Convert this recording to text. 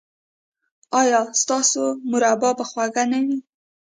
ایا ستاسو مربا به خوږه نه وي؟